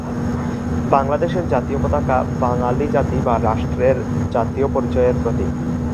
বাংলাদেশের জাতীয় পতাকা বাঙালি জাতি বা রাষ্ট্রের জাতীয় পরিচয়ের প্রতীক।